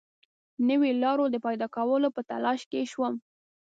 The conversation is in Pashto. نویو لارو د پیدا کولو په تلاښ کې شوم.